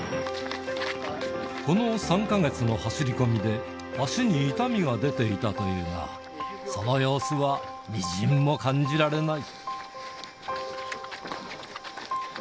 この３か月の走り込みで、足に痛みが出ていたというが、その様子は、みじんも感じられない。